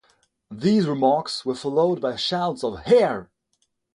These remarks were followed by shouts of Hear!